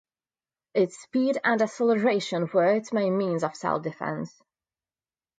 Its speed and acceleration were its main means of self-defense.